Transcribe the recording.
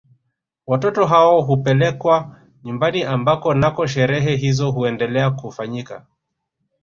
Watoto hao hupelekwa nyumbani ambako nako sherehe hizo huendelea kufanyika